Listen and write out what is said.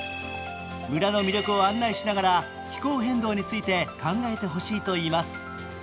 村の魅力を案内しながら気候変動について考えてほしいといいます。